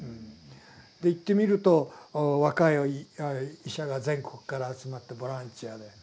で行ってみると若い医者が全国から集まってボランティアで。